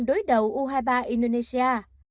đối đầu u hai mươi ba indonesia